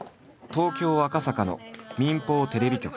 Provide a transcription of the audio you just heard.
東京赤坂の民放テレビ局。